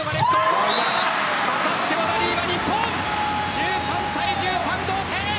１３対１３、同点。